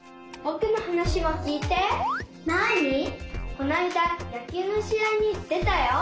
このあいだやきゅうのしあいにでたよ。